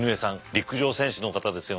陸上選手の方ですよね。